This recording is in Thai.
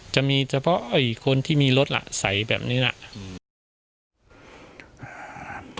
จะมีเฉพาะอีกคนที่มีรถอ่ะใส่แบบนี้น่ะอืม